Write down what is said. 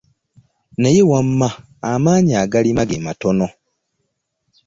Naye wamma amaanyi agalima ge matono.